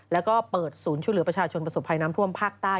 แล้วก็เปิดศูนย์ช่วยเหลือประชาชนประสบภัยน้ำท่วมภาคใต้